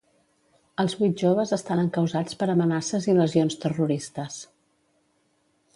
Els vuit joves estan encausats per ‘amenaces i lesions terroristes’.